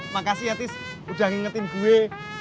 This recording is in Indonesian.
makasih ya tis udah ngingetin gue